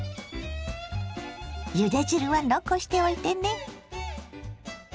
ゆで汁は残しておいてね。